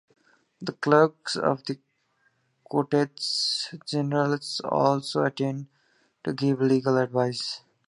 The Clerks of the Cortes Generales also attend to give legal advice.